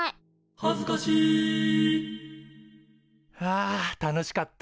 「はずかしい」はあ楽しかった。